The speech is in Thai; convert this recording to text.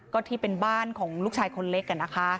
ก็ที่เป็นบ้านของลูกชายคนเล็ก